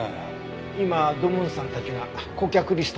今土門さんたちが顧客リストから洗ってるよ。